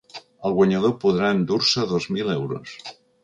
El guanyador podrà endur-se dos mil euros.